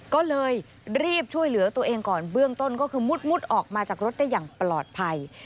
ก็เลยรีบช่วยเหลือตัวเองก่อนเบื้องต้นก็คือมุดออกมาจากรถได้อย่างปลอดภัย